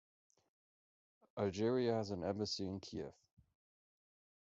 Algeria has an embassy in Kiev.